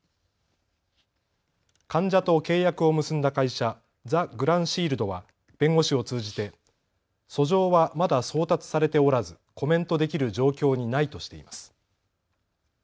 患者と契約を結んだ会社、ＴＨＥＧＲＡＮＳＨＩＥＬＤは弁護士を通じて訴状はまだ送達されておらずコメントできる状況にないとしています。